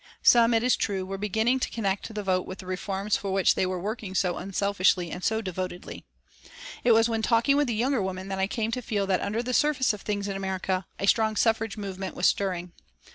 Some, it is true, were beginning to connect the vote with the reforms for which they were working so unselfishly and so devotedly. It was when talking with the younger women that I came to feel that under the surface of things in America, a strong suffrage movement was stirring.